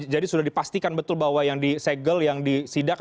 jadi sudah dipastikan betul bahwa yang disegel yang disidak